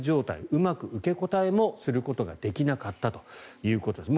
うまく受け答えもすることができなかったということです。